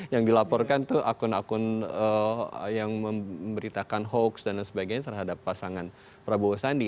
yang dilaporkan tuh akun akun yang memberitakan hoax dan lain sebagainya terhadap pasangan prabowo sandi